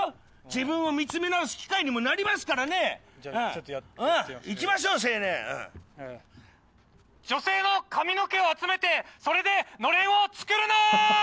自分を見つめ直す機会にもなりますからねじゃちょっとやってみますいきましょう青年女性の髪の毛を集めてそれでのれんを作るなー！